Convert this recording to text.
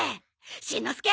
しんのすけ！